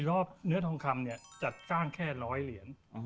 ๔รอบเนื้อทองคำจัดสร้างแค่๑๐๐เหรียญ